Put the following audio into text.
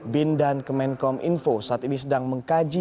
bin dan kemenkom info saat ini sedang mengkaji